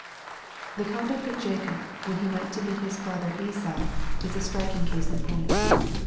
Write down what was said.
The conduct of Jacob, when he went to meet his brother Esau, is a striking case in point.